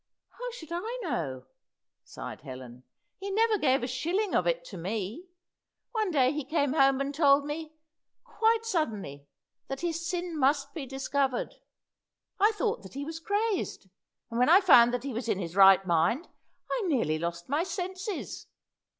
"How should I know?" sighed Helen. "He never gave a shilling of it to me. One day he came home and told me, quite suddenly, that his sin must be discovered. I thought that he was crazed, and when I found that he was in his right mind, I nearly lost my senses.